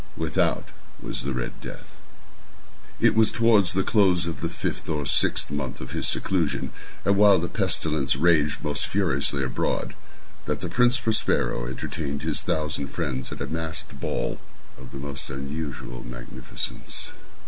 Without was the "Red Death." It was toward the close of the fifth or sixth month of his seclusion, and while the pestilence raged most furiously abroad, that the Prince Prospero entertained his thousand friends at a masked ball of the most unusual magnificence.